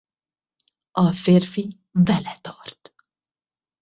A férfi vele tart.